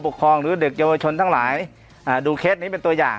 ครองหรือเด็กเยาวชนทั้งหลายดูเคสนี้เป็นตัวอย่าง